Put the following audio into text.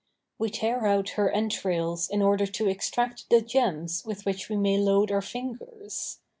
We tear out her entrails in order to extract the gems with which we may load our fingers.